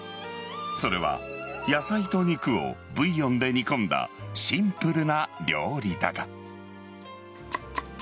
それは野菜と肉をブイヨンで煮込んだシンプルな料理だが。